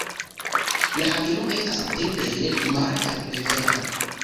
La haveno estas samtempe mara kaj rivera.